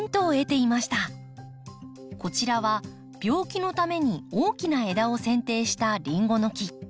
こちらは病気のために大きな枝をせん定したリンゴの木。